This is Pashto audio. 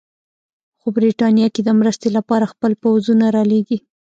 خو برټانیه که د مرستې لپاره خپل پوځونه رالېږي.